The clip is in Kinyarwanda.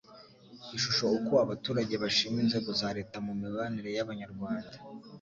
ishusho uko abaturage bashima inzego za leta mu mibanire y abanyarwanda